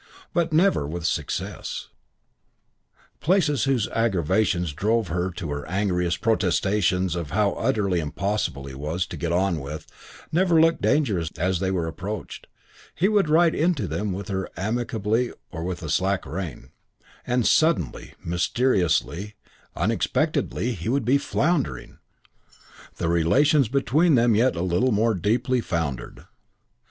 But never with success. Places whose aggravations drove her to her angriest protestations of how utterly impossible he was to get on with never looked dangerous as they were approached: he would ride in to them with her amicably or with a slack rein, and suddenly, mysteriously, unexpectedly, he would be floundering, the relations between them yet a little more deeply foundered.